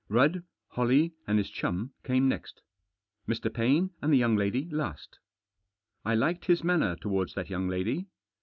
Rudd, Holley, and his chum came next. Mr. Paine and the young lady last. I liked his manner towards that young lady.